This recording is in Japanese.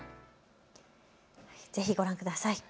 ぜひご覧ください。